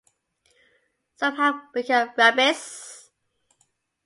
Some have become rabbis.